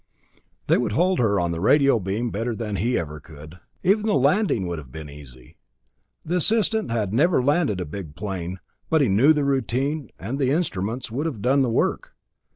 They would hold her on the radio beam better than he ever could. Even the landing would have been easy. The assistant had never landed a big plane, but he knew the routine, and the instruments would have done the work.